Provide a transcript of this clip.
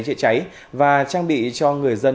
chữa cháy và trang bị cho người dân